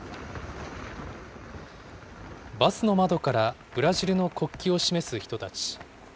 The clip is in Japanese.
バスの窓からブラジルの国旗を示す人たち。